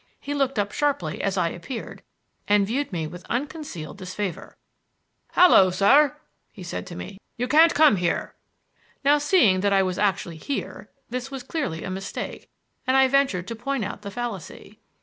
He looked up sharply as I appeared, and viewed me with unconcealed disfavor. "Hallo, sir!" said he. "You can't come here." Now, seeing that I was actually here, this was clearly a mistake, and I ventured to point out the fallacy.